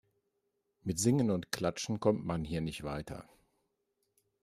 Mit Singen und Klatschen kommt man hier nicht weiter.